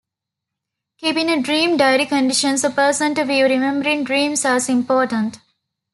Keeping a dream diary conditions a person to view remembering dreams as important.